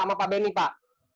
sama pak benny pak